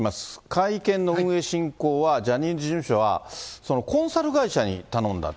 会見の運営、進行はジャニーズ事務所は、コンサル会社に頼んだと。